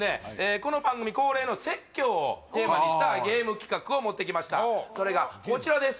この番組恒例の説教をテーマにしたゲーム企画を持ってきましたそれがこちらです